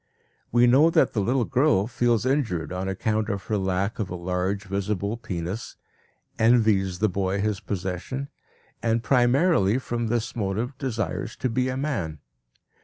We know that the little girl feels injured on account of her lack of a large, visible penis, envies the boy his possession, and primarily from this motive desires to be a man.